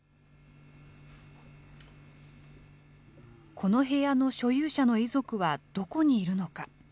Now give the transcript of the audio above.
この部屋の所有者の遺族は、どこにいるのか。